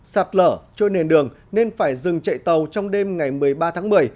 sạt lở trôi nền đường nên phải dừng chạy tàu trong đêm ngày một mươi ba tháng một mươi